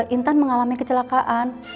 intan mengalami kecelakaan